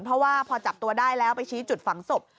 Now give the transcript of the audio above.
เพราะว่าพอจับตัวได้แล้วไปชี้จุดฝังศพ